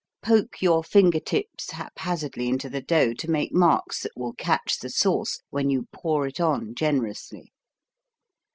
Poke your finger tips haphazardly into the dough to make marks that will catch the sauce when you pour it on generously.